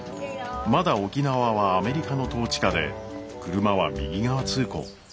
まだ沖縄はアメリカの統治下で車は右側通行